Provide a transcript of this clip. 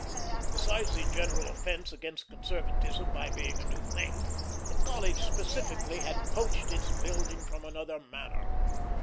Besides the general offence against conservatism by being a new thing, the College specifically had poached its building from another manor.